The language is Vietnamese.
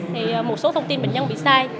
thì một số thông tin bệnh nhân bị sai